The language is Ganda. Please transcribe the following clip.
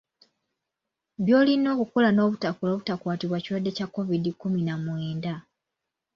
By’olina okukola n’obutakola obutakwatibwa kirwadde kya Kovidi kkumi na mwenda.